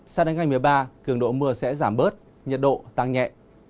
sao đến ngày một mươi ba cường độ mưa sẽ giảm bớt nhiệt độ tăng nhẹ